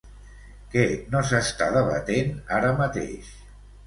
Què no s'està debatent ara mateix?